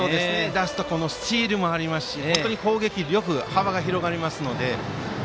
出すとスチールもありますし攻撃の幅が広がりますのでね。